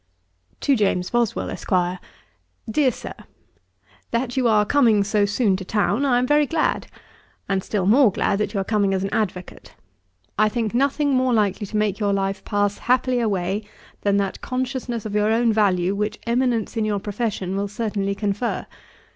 'To JAMES BOSWELL, ESQ. 'DEAR SIR, 'That you are coming so soon to town I am very glad; and still more glad that you are coming as an advocate. I think nothing more likely to make your life pass happily away, than that consciousness of your own value, which eminence in your profession will certainly confer.